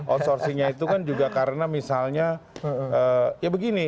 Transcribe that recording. outsourcingnya itu kan juga karena misalnya ya begini